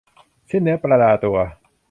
สิ้นเนื้อประดาตัว